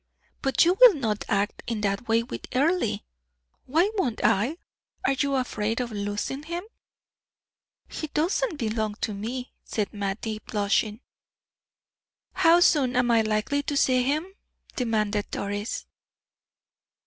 "But you will not act in that way with Earle?" "Why won't I? Are you afraid of losing him?" "He doesn't belong to me," said Mattie, blushing. "How soon am I likely to see him?" demanded Doris.